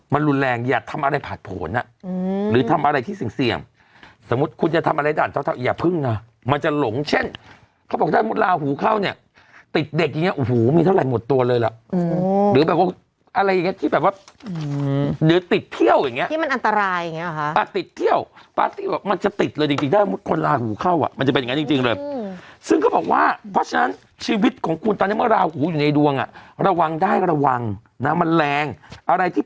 มันรุนแรงอย่าทำอะไรผ่านผลอ่ะหรือทำอะไรที่เสี่ยงเสี่ยงสมมุติคุณจะทำอะไรอย่าพึ่งนะมันจะหลงเช่นเขาบอกได้มึดราหูเข้าเนี่ยติดเด็กอย่างเงี้ยโอ้โหมีเท่าไหร่หมดตัวเลยล่ะหรือแบบว่าอะไรอย่างเงี้ยที่แบบว่าหรือติดเที่ยวอย่างเงี้ยที่มันอันตรายอย่างเงี้ยหรอฮะอ่ะติดเที่ยวปลาสตี้บอกมันจะติด